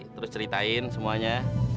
terus ceritain semuanya